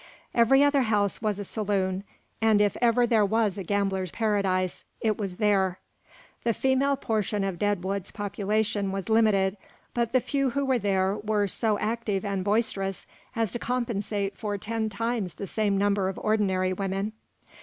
Every other house was a saloon, and if ever there was a gambler's paradise, it was there. The female portion of Deadwood's population was limited, but the few who were there were so active and boisterous as to compensate for ten times the same number of ordinary women.